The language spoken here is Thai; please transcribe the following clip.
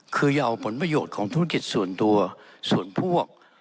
คืออย่าเอาผลประโยชน์ของธุรกิจส่วนตัวส่วนพวก